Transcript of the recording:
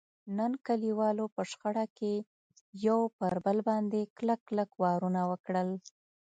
نن کلیوالو په شخړه کې یو پر بل باندې کلک کلک وارونه وکړل.